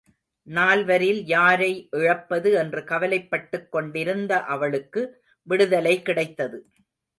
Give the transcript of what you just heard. நால்வரில் யாரை இழப்பது என்று கவலைப்பட்டுக் கொண்டிருந்த அவளுக்கு விடுதலை கிடைத்தது.